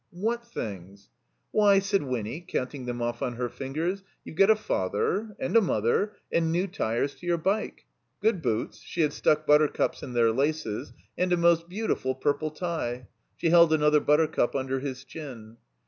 "What things?" "Why," said Winny, counting them off on her fingers, "you've got a father — and a mother — ^and new tires to your bike. Good boots " (she had stuck buttercups in their laces) "and a most beautiful purple tie." (She held another buttercup imder his chin.)